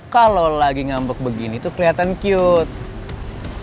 kalau lagi ngambek begini tuh kelihatan pute